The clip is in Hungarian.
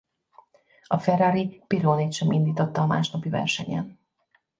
A Ferrari Pironit sem indította a másnapi versenyen.